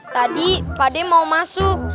tadi pak de mau masuk